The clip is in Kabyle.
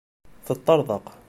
Teṭṭerḍeq.